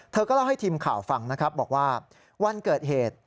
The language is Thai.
เธอก็เล่าให้ทีมข่าวฟังนะครับบอกว่าวันเกิดเหตุ